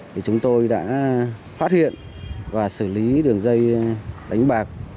thì chúng tôi đã phát hiện và xử lý đường dây đánh bạc